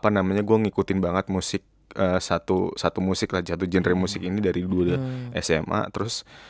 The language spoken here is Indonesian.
namanya gue ngikutin banget musik satu musik satu jenrei musik ini dari sama terus